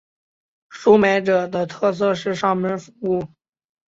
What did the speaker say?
收买者的特色是上门服务。